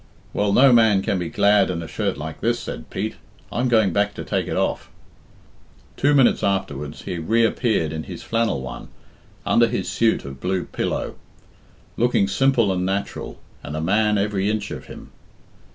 "Well, no man can be glad in a shirt like this," said Pete; "I'm going back to take it off." Two minutes afterwards he reappeared in his flannel one, under his suit of blue pilot, looking simple and natural, and a man every inch of him.